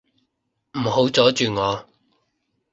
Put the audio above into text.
唔好阻住我